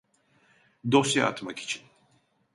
Dosya atmak için